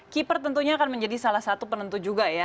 keeper tentunya akan menjadi salah satu penentu juga ya